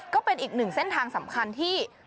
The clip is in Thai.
ก็เป็นอีกหนึ่งเส้นทางสำคัญที่